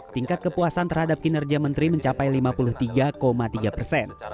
tingkat kepuasan terhadap kinerja menteri mencapai lima puluh tiga tiga persen